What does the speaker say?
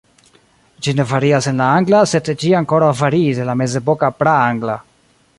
Ĝi ne varias en la angla, sed ĝi ankoraŭ variis en la mezepoka praangla.